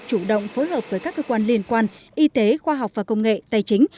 chủ động phối hợp với các cơ quan liên quan y tế khoa học và công nghệ tài chính